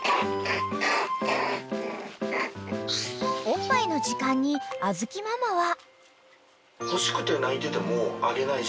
［おっぱいの時間に小豆ママは］